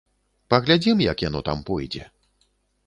Паглядзім, як яно там пойдзе.